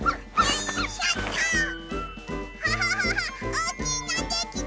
おおきいのできた！